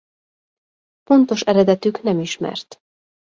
Pontos eredetük nem ismert.